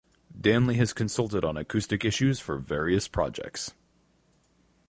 Danley has consulted on acoustic issues for various projects.